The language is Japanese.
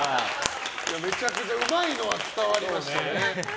めちゃくちゃうまいのは伝わりましたね。